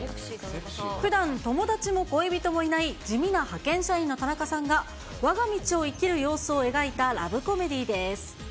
ふだん、友達も恋人もいない地味な派遣社員の田中さんが、わが道を生きる様子を描いたラブコメディーです。